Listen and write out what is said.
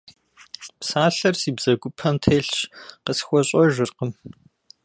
Псалъэр си бзэгупэм телъщ, къысхуэщӏэжыркъым.